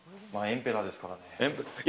エンペラーですからね。